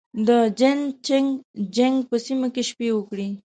د جين چنګ جيانګ په سیمه کې شپې وکړې.